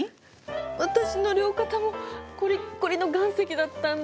私の両肩もこりっこりの岩石だったんだ！